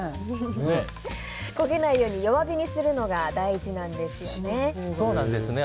焦げないように弱火にするのが大事なんですよね。